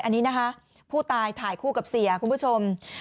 อันนี้นะคะผู้ตายถ่ายคู่กับเสียคุณผู้ชม